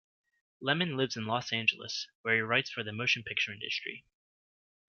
Lemon lives in Los Angeles where he writes for the motion picture industry.